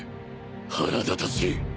腹立たしい。